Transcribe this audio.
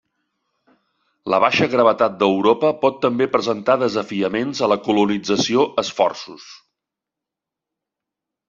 La baixa gravetat d'Europa pot també presentar desafiaments a la colonització esforços.